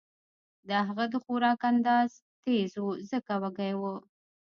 د هغه د خوراک انداز تېز و ځکه وږی و